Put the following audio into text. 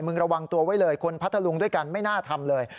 ระวังตัวไว้เลยคนพัทธลุงด้วยกันไม่น่าทำเลย